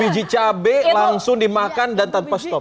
tiga puluh biji cabai langsung dimakan dan tanpa stop